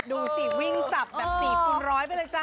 มันลดดูสิวิ่งศัพท์แบบสี่คุณร้อยไปเลยจ้ะ